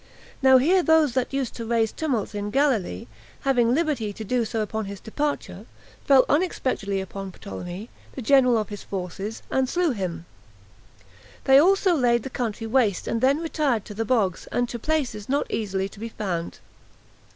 Now here those that used to raise tumults in Galilee, having liberty so to do upon his departure, fell unexpectedly upon Ptolemy, the general of his forces, and slew him; they also laid the country waste, and then retired to the bogs, and to places not easily to be found.